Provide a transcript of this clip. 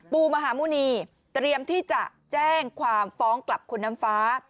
มหาหมุณีเตรียมที่จะแจ้งความฟ้องกลับคุณน้ำฟ้า